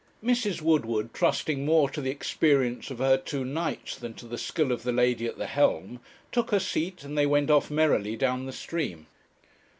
Mrs. Woodward, trusting more to the experience of her two knights than to the skill of the lady at the helm, took her seat, and they went off merrily down the stream.